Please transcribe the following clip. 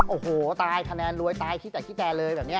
โอ้โหตายคะแนนรวยตายขี้แตกขี้แนนเลยแบบนี้